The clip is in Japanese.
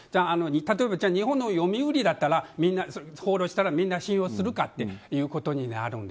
例えば日本の読売だったらみんな信用するかっていうことになるので。